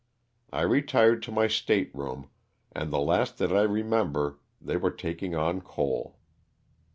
I retired to my state room, and the last that I remember they were taking on coal.